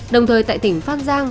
đồng thời tại tỉnh phát giang